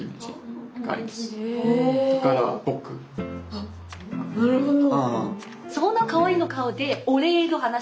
あなるほど。